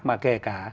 mà kể cả